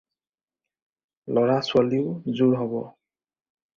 ল'ৰা-ছোৱালীও জোৰ হ'ব।